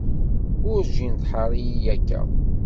Werǧin tḥar-iyi akka.